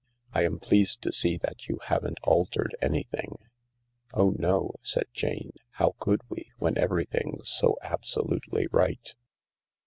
I am pleased to see that you haven't altered anything." " Oh no," said Jane ;" how could we, when everything's so absolutely right